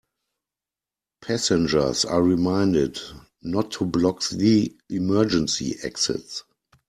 Passengers are reminded not to block the emergency exits.